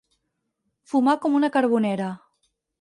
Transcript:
Fumar com una carbonera.